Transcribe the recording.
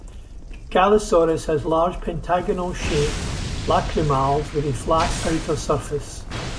"Galesaurus" has large, pentagonal shaped lacrimals with a flat outer surface.